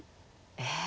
ええ。